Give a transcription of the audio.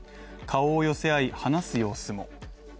顔を寄せ合い、話す様子も。